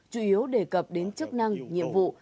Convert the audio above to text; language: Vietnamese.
chủ yếu đề cập đến chức năng nhiệm vụ